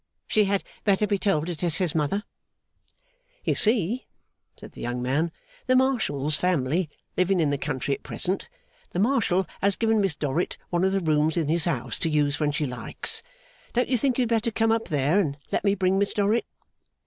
She had better be told it is his mother.' 'You see,' said the young man, 'the Marshal's family living in the country at present, the Marshal has given Miss Dorrit one of the rooms in his house to use when she likes. Don't you think you had better come up there, and let me bring Miss Dorrit?